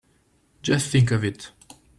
Just think of it!